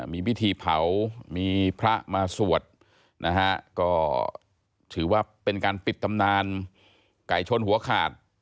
มีพิธีเผามีพระมาสวดนะฮะก็ถือว่าเป็นการปิดตำนานไก่ชนหัวขาด